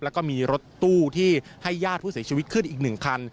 แล้วก็มีรถตู้ที่ให้ญาติผู้เสียชีวิตขึ้นอีก๑คัน